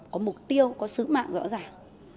có mục tiêu có sứ mạng rõ ràng